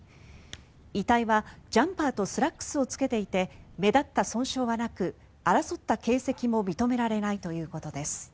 遺体はジャンパーとスラックスを着けていて目立った損傷はなく争った形跡も認められないということです。